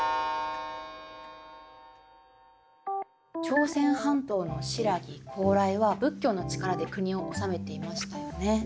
朝鮮半島の新羅高麗は仏教の力で国を治めていましたよね。